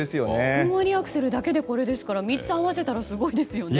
ふんわりアクセルだけでこれですから３つ合わせたらすごいですよね。